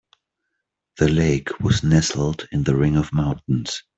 The lake was nestled in the ring of mountains.